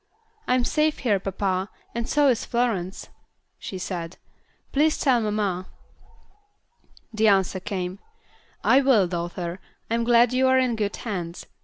"I'm safe here, papa, and so is Florence," she said; "please tell mamma." The answer came, "I will, daughter; I'm glad you are in good hands.